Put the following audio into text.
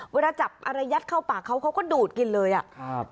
เวลาจับอะไรยัดเข้าปากเขาเขาก็ดูดกินเลยอ่ะครับ